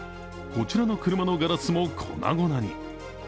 こちらの車のガラスも粉々に。